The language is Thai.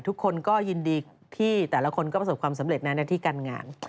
ทุกคนก็ยินดีที่แต่ละคนก็ประสบความสำเร็จในหน้าที่การงาน